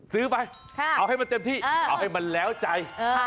ซื้อไปเอาให้มันเต็มที่เอาให้มันแล้วใจ